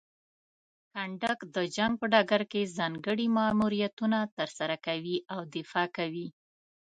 کنډک د جنګ په ډګر کې ځانګړي ماموریتونه ترسره کوي او دفاع کوي.